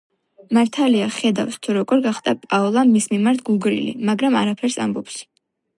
მართალია, ხედავს, თუ როგორ გახდა პაოლა მის მიმართ გულგრილი, მაგრამ არაფერს ამბობს.